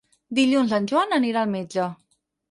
Dilluns en Joan anirà al metge.